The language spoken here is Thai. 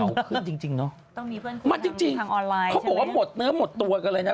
ต้องมีเพื่อนคุณทางออนไลน์ใช่ไหมครับเขาบอกว่าหมดเนื้อหมดตัวเลยนะ